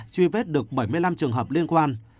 truy vết được bảy mươi năm trường hợp liên quan